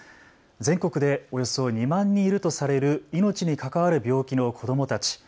全国でおよそ２万人いるとされる命に関わる病気の子どもたち。